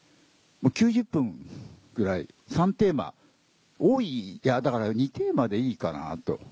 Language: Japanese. ９０分ぐらい３テーマ多いいやだから２テーマでいいかなと。